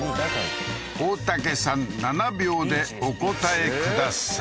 大竹さん７秒でお答えください